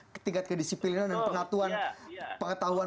ketingkat kedisiplinan dan pengetahuan